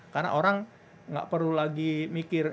karena orang gak perlu lagi mikir